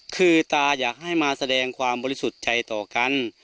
คือตาอยากให้มาแสดงความบริสุทธิ์ใจต่อกัน